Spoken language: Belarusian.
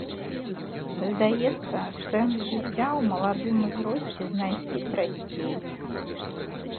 Здаецца, сэнс жыцця ў маладым узросце знайсці прасцей.